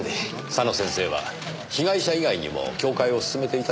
佐野先生は被害者以外にも教誨を勧めていたのでしょうか？